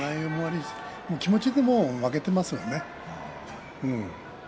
気持ちでもう負けていますよね。